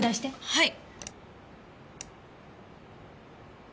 はい。